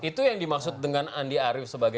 itu yang dimaksud dengan andi arief sebagai